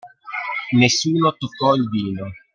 Nessuno toccò il vino.